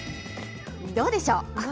どうでしょう。